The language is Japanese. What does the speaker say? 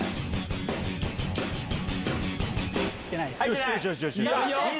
いいよ！